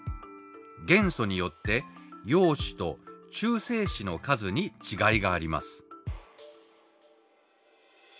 元素によって陽子と中性子の数に違いがあります。